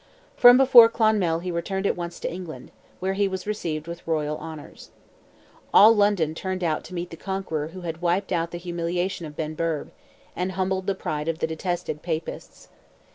From before Clonmel he returned at once to England, where he was received with royal honours. All London turned out to meet the Conqueror who had wiped out the humiliation of Benburb, and humbled the pride of the detested Papists.